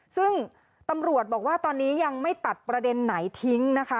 ซึ่งตำรวจบอกว่าตอนนี้ยังไม่ตัดประเด็นไหนทิ้งนะคะ